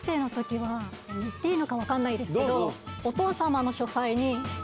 言っていいのか分かんないですけど。